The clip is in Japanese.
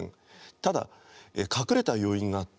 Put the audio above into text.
ただ隠れた要因があって。